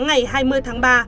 ngày hai mươi tháng ba